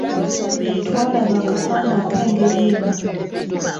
Twalaba akapande ak’engeri eno.